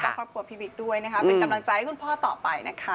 และก็ครอบครัวพี่บิ๊กด้วยเป็นกำลังใจให้คุณพ่อต่อไป